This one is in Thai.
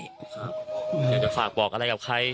อยากจะฝากบอกอะไรกับใคร